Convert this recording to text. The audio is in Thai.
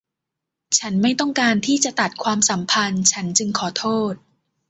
ฉันไม่ต้องการที่จะตัดความสัมพันธ์ฉันจึงขอโทษ